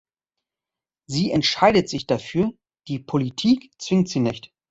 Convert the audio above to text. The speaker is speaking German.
Sie entscheidet sich dafür, die Politik zwingt sie nicht.